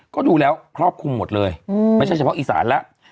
ก็ดูแล้วครอบคลุมหมดเลยไม่ใช่เฉพาะอีสานแล้ว